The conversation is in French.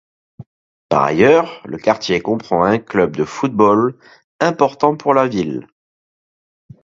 Par ailleurs, le quartier comprend un club de football important pour la ville.